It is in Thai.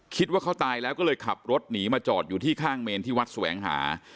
คิดว่าเขาตายแล้วก็เลยขับรถหนีมาจอดอยู่ที่ข้างเมนที่วัดแสวงหา